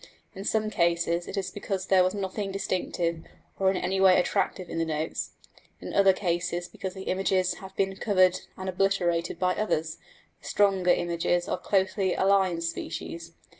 In some cases it is because there was nothing distinctive or in any way attractive in the notes; in other cases because the images have been covered and obliterated by others the stronger images of closely allied species.